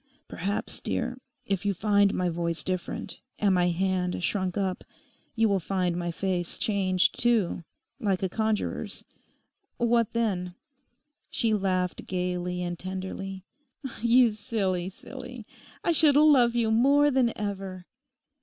'Perhaps, dear, if you find my voice different, and my hand shrunk up, you will find my face changed, too—like a conjuror's.... What then?' She laughed gaily and tenderly. 'You silly silly; I should love you more than ever.